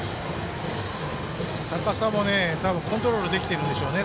高さもコントロールできているんでしょうね。